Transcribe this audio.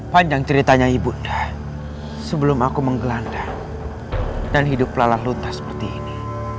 panjang ceritanya ibunda sebelum aku menggelanda dan hidup lalah luntas seperti ini